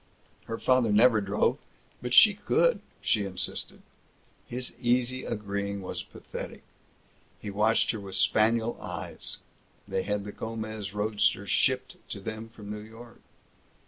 Her father never drove, but she could, she insisted. His easy agreeing was pathetic. He watched her with spaniel eyes. They had the Gomez roadster shipped to them from New York.